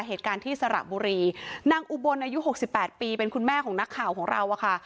เหตุการณ์ที่สระบุรีนางอุบลอายุหกสิบแปดปีเป็นคุณแม่ของนักข่าวของเราอะค่ะ